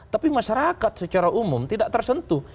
tapi masyarakat secara umum tidak tersentuh